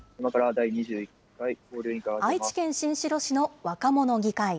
愛知県新城市の若者議会。